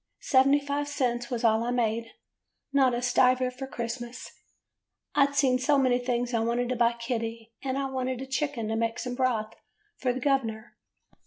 Seventy five cents was all I made. Not a stiver for Christmas ! I 'd seen so many things I wanted to buy Kitty, and I wanted a chicken 4 to make some broth for the gov'ner.